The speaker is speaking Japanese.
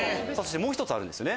もう１つあるんですよね。